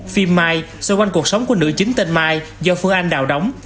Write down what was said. phim mai xoay quanh cuộc sống của nữ chính tên mai do phương anh đào đóng